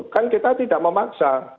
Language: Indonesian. kan kita tidak memaksa